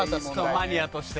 マニアとして。